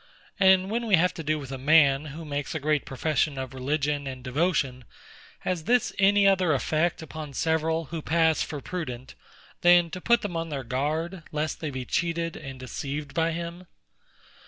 And when we have to do with a man, who makes a great profession of religion and devotion, has this any other effect upon several, who pass for prudent, than to put them on their guard, lest they be cheated and deceived by him?